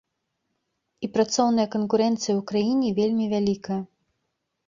І працоўная канкурэнцыя ў краіне вельмі вялікая.